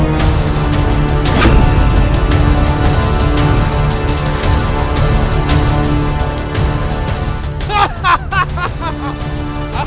itu adalah siri wangi atau buka